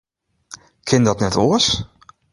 Kin dat net oars?